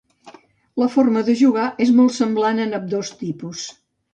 La forma de jugar és molt semblant en ambdós tipus.